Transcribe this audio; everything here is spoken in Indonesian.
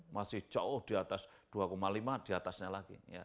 masih jauh di atas dua lima di atasnya lagi